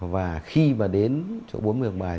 và khi mà đến chỗ bốn ngược bài